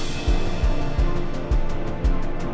tidak ada hubungan